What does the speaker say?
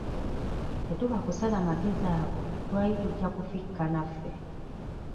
Tetuba kusala magezi ago twali tujja kufikka naffe.